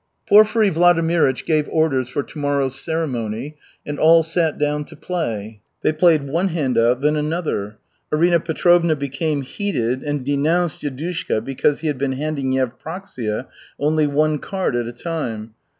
Porfiry Vladimirych gave orders for to morrow's ceremony, and all sat down to play. They played one hand out, then another. Arina Petrovna became heated and denounced Yudushka because he had been handing Yevpraksia only one card at a time.